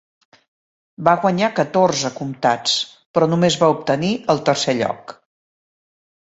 Va guanyar catorze comtats, però només va obtenir el tercer lloc.